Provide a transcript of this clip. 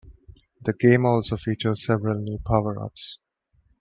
The game also features several new powerups.